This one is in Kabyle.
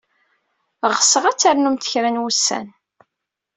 Ɣseɣ ad ternumt kra n wussan.